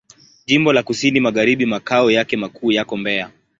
Jimbo la Kusini Magharibi Makao yake makuu yako Mbeya.